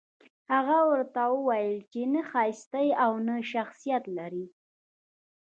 هغه ورته وويل چې نه ښايسته يې او نه شخصيت لرې.